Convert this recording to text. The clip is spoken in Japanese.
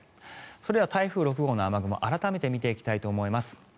それでは台風６号の雨雲改めて見ていきたいと思います。